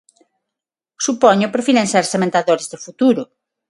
Supoño, prefiren ser sementadores de futuro.